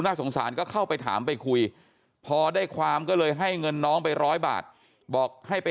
น่าสงสารก็เข้าไปถามไปคุยพอได้ความก็เลยให้เงินน้องไปร้อยบาทบอกให้ไป